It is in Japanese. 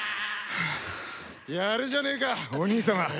やるじゃねえかお兄様。